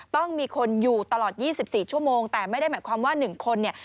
ต้องมีคนอยู่ตลอด๒๔ชั่วโมงแต่ไม่ได้หมายความว่า๑คนเนี่ย